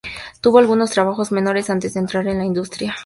Tuvo algunos trabajos menores antes de entrar en la industria.